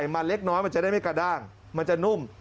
มันเล็กน้อยมันจะได้ไม่กระด้างมันจะนุ่ม